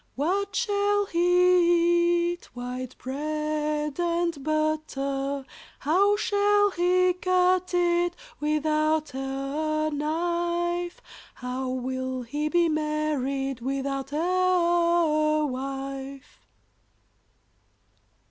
What shall he eat? White bread and butter. How shall he cut it Without e'er a knife? How will he be married Without e'er a wife.